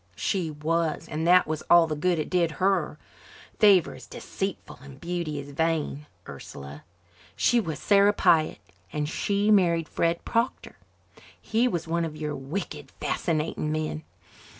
"She was and that was all the good it did her. 'Favour is deceitful and beauty is vain,' Ursula. She was Sarah Pyatt and she married Fred Proctor. He was one of your wicked, fascinating men.